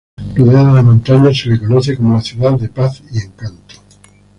Rodeada de montañas, se le conoce como la ciudad de "Paz y Encanto".